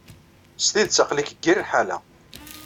S tidet aql-ik deg yir ḥala.